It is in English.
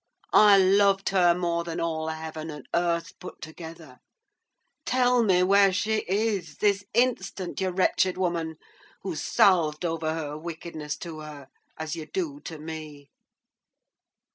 I loved her more than all heaven and earth put together. Tell me where she is, this instant, you wretched woman, who salved over her wickedness to her, as you do to me."